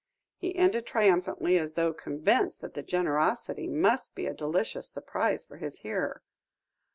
he ended triumphantly, as though convinced that the generosity must be a delicious surprise for his hearer.